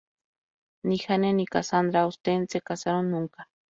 Ni Jane ni Cassandra Austen se casaron nunca.